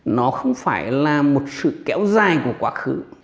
nó không phải là một sự kéo dài của quá khứ